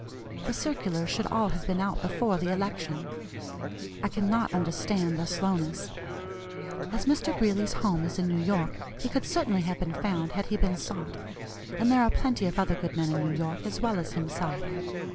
The circulars should all have been out before the election. I cannot understand their slowness. As Mr. Greeley's home is in New York, he could certainly have been found had he been sought; and there are plenty of other good men in New York, as well as himself.